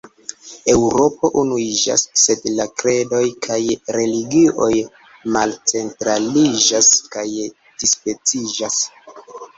Eŭropo unuiĝas, sed la kredoj kaj religioj malcentraliĝas kaj dispeciĝas.